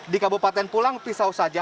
di kabupaten pulang pisau saja